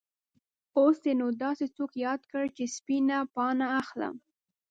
اوس دې نو داسې څوک یاد کړ چې سپینه پاڼه اخلم.